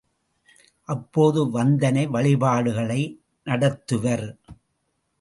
அப்போது வந்தனை வழிபாடுகளை நடத்துவர்.